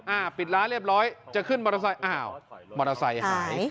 ปิดร้านเรียบร้อยจะขึ้นมอเตอร์ไซค์อ้าวมอเตอร์ไซค์หาย